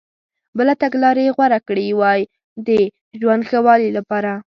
بله تګلارې یې غوره کړي وای د ژوند ښه والي لپاره.